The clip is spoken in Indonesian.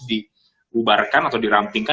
dihubarkan atau dirampingkan